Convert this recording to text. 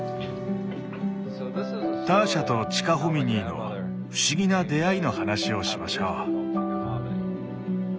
ターシャとチカホミニーの不思議な出会いの話をしましょう。